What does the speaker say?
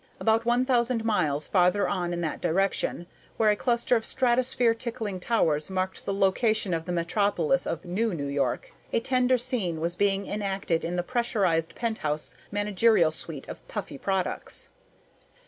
About one thousand miles farther on in that direction, where a cluster of stratosphere tickling towers marked the location of the metropolis of NewNew York, a tender scene was being enacted in the pressurized penthouse managerial suite of Puffy Products.